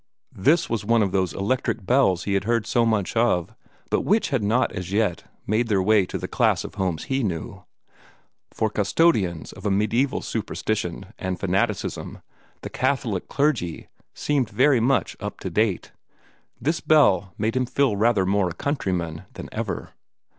This was one of those electric bells he had heard so much of, but which had not as yet made their way to the class of homes he knew. For custodians of a mediaeval superstition and fanaticism, the Catholic clergy seemed very much up to date. This bell made him feel rather more a countryman than ever.